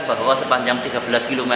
bahwa sepanjang tiga belas km